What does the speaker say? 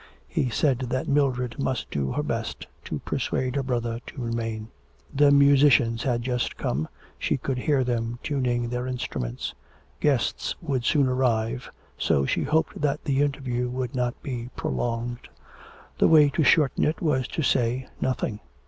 He said that Mildred must do her best to persuade her brother to remain. The musicians had just come, she could hear them tuning their instruments. Guests would soon arrive, so she hoped that the interview would not be prolonged. The way to shorten it was to say nothing.